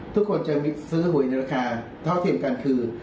ทุกคนจะซื้อหวยในราคาเท่าเทียมกันคือ